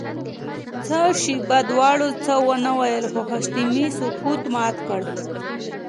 څه شېبه دواړو څه ونه ويل خو حشمتي سکوت مات کړ.